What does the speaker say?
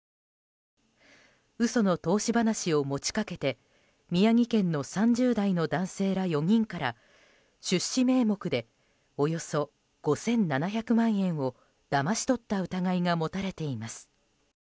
嘘の投資話を持ち掛けて宮城県の３０代の男性ら４人から出資名目でおよそ５７００万円をだまし取った疑いが持たれています。